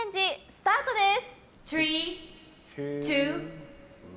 スタートです！